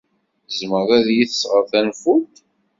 Tzemred ad iyi-d-tesɣed tanfult?